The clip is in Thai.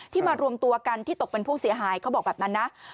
มารวมตัวกันที่ตกเป็นผู้เสียหายเขาบอกแบบนั้นนะ